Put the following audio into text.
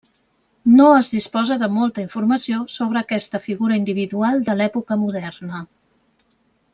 No es disposa de molta informació sobre aquesta figura individual de l'època moderna.